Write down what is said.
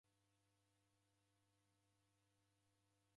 Daw'iaenda sokonyi linu.